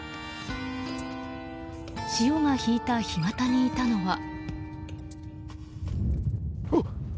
潮が引いた干潟にいたのは。